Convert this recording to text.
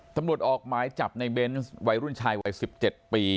ตำรวจออกไม้จับในเบ้นวัยรุ่นชาย๑๗ปี